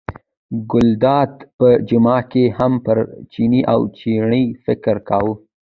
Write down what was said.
ګلداد په جمعه کې هم پر چیني او چڼي فکر کاوه.